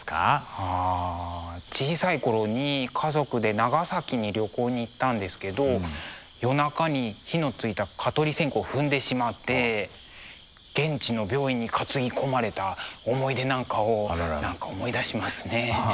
あ小さい頃に家族で長崎に旅行に行ったんですけど夜中に火のついた蚊取り線香を踏んでしまって現地の病院に担ぎ込まれた思い出なんかを何か思い出しますね。